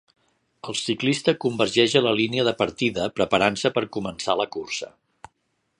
El ciclista convergeix a la línia de partida preparant-se per començar la cursa.